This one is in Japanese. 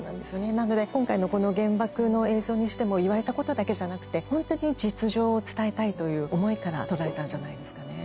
なので今回の原爆の映像にしても言われたことだけじゃなくてホントに実情を伝えたいという思いから撮られたんじゃないですかね。